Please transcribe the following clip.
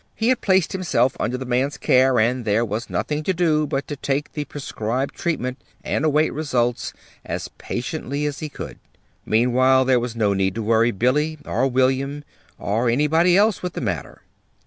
He had placed himself under the man's care, and there was nothing to do but to take the prescribed treatment and await results as patiently as he could. Meanwhile there was no need to worry Billy, or William, or anybody else with the matter.